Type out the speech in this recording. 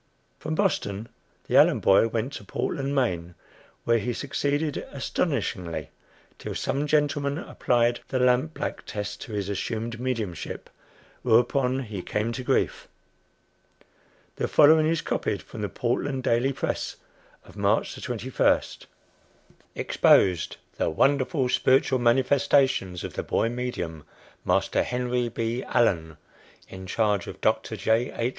From Boston the Allen boy went to Portland, Maine, where he succeeded "astonishingly," till some gentleman applied the lampblack test to his assumed mediumship, whereupon he "came to grief." The following is copied from the "Portland Daily Press," of March 21. "EXPOSED. The 'wonderful' spiritual manifestations of the 'boy medium,' Master Henry B. Allen, in charge of Doctor J. H.